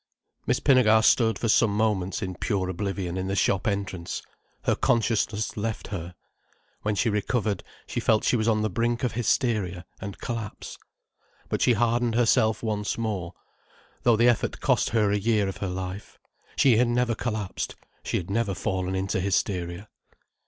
Miss Pinnegar stood for some moments in pure oblivion in the shop entrance. Her consciousness left her. When she recovered, she felt she was on the brink of hysteria and collapse. But she hardened herself once more, though the effort cost her a year of her life. She had never collapsed, she had never fallen into hysteria.